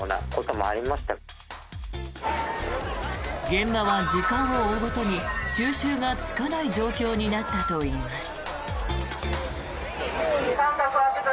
現場は時間を追うごとに収拾がつかない状況になったといいます。